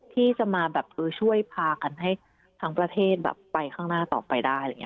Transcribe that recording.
ที่จะมาแบบช่วยพากันให้ทั้งประเทศแบบไปข้างหน้าต่อไปได้